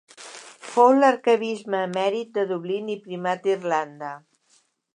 Fou l'arquebisbe emèrit de Dublín i Primat d'Irlanda.